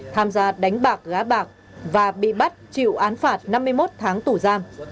tham gia đánh bạc gá bạc và bị bắt chịu án phạt năm mươi một tháng tù giam